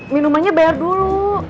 minumannya bayar dulu